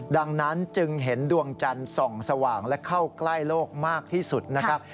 ดังนั้นจึงเห็นดวงจันทร์ส่องสว่างและเข้าใกล้โลกมากที่สุดนะครับ